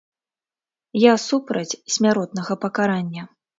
Я супраць смяротнага пакарання.